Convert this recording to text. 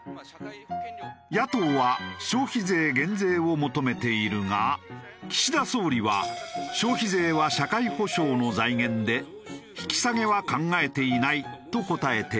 野党は消費税減税を求めているが岸田総理は消費税は社会保障の財源で引き下げは考えていないと答えている。